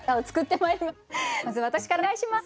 まず私からお願いします。